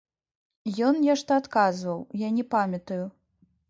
Ён нешта адказваў, я не памятаю.